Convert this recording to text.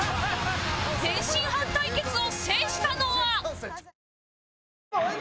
天津飯対決を制したのは？